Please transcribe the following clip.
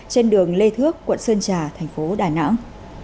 trên đường lê thước quận sơn trà thành phố đà nẵng